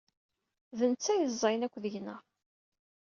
D netta ay ẓẓayen akk deg-neɣ.